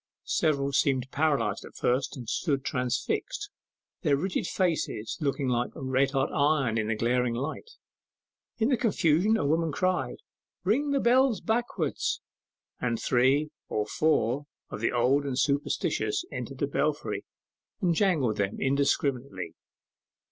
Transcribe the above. Several seemed paralyzed at first, and stood transfixed, their rigid faces looking like red hot iron in the glaring light. In the confusion a woman cried, 'Ring the bells backwards!' and three or four of the old and superstitious entered the belfry and jangled them indescribably.